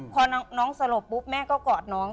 พอน้องสลบปุ๊บแม่ก็กอดน้อง